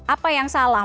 apa yang salah